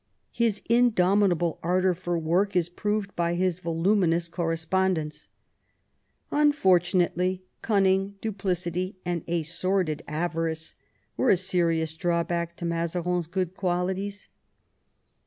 His indomitable ardour for work is proved by his voluminous correspondence. "Unfortunately, cun ning, duplicity, and a sordid avarice were a serious drawback to Mazarin's good qualities."